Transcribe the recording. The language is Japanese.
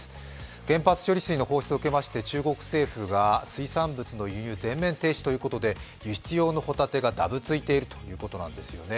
原発処理水の放出を受けまして中国政府による水産物の輸入が全面停止ということで輸出用のホタテがだぶついているということなんですね。